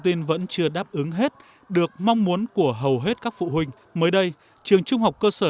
tin vẫn chưa đáp ứng hết được mong muốn của hầu hết các phụ huynh mới đây trường trung học cơ sở